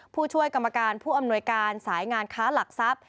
ผู้ช่วยกรรมการผู้อำนวยการสายงานค้าหลักทรัพย์